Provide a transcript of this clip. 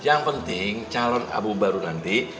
yang penting calon abu baru nanti